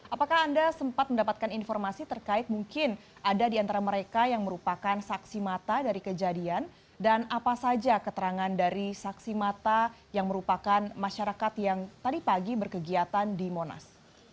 apakah anda sempat mendapatkan informasi terkait mungkin ada di antara mereka yang merupakan saksi mata dari kejadian dan apa saja keterangan dari saksi mata yang merupakan masyarakat yang tadi pagi berkegiatan di monas